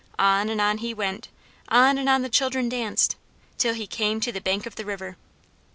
On and on he went; on and on the children danced; till he came to the bank of the river.